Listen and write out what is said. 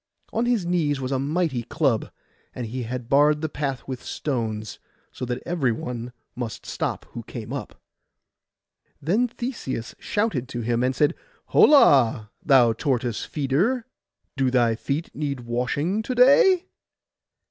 On his knees was a mighty club; and he had barred the path with stones, so that every one must stop who came up. Then Theseus shouted to him, and said, 'Holla, thou tortoise feeder, do thy feet need washing to day?